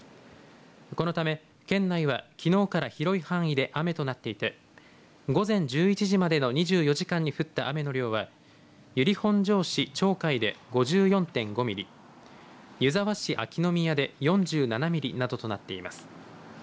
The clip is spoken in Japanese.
このため県内は、きのうから広い範囲で雨となっていて午前１１時までの２４時間に降った雨の量は由利本荘市鳥海で５４．５ミリ、湯沢市秋ノ宮で４７ミリなどとなっています。